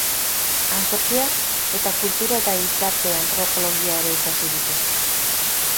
Antzerkia eta Kultura eta Gizarte Antropologia ere ikasi ditu.